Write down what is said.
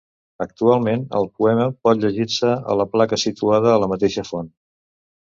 Actualment el poema pot llegir-se a la placa situada a la mateixa font.